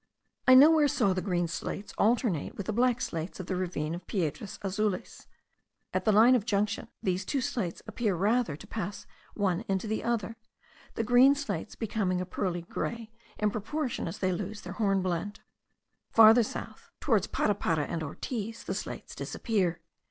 I nowhere saw the green slates alternate with the black slates of the ravine of Piedras Azules: at the line of junction these two slates appear rather to pass one into the other, the green slates becoming of a pearl grey in proportion as they lose their hornblende. Farther south, towards Parapara and Ortiz, the slates disappear.